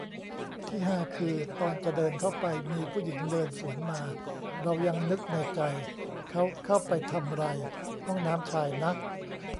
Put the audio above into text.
ที่ฮาคือ ตอนจะเดินเข้าไป มีผู้หญิงเดินสวนมา เรายังนึกในใจ เค้าเข้าไปทำไรห้องน้ำชายนะ